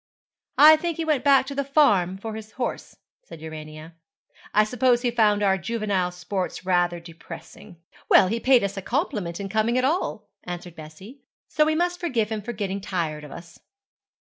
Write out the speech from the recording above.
'I think he went back to the farm for his horse,' said Urania. 'I suppose he found our juvenile sports rather depressing.' 'Well, he paid us a compliment in coming at all,' answered Bessie, 'so we must forgive him for getting tired of us.'